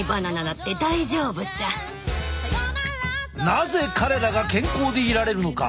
なぜ彼らが健康でいられるのか。